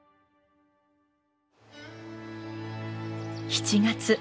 ７月。